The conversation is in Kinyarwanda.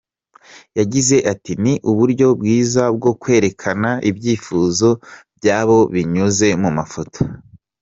Yagize ati :"Ni uburyo bwiza bwo kwerekana ibyifuzo byabo binyuze mu mafoto.